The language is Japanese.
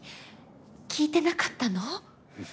聞いてなかったの？